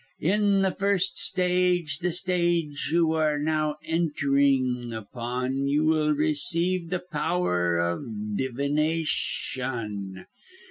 "In the first stage, the stage you are now entering upon, you will receive the power of divination.